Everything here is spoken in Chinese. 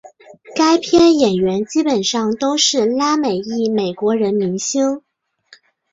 该片演员基本上都是拉美裔美国人明星。